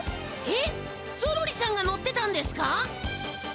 えっゾロリさんが乗ってたんですか？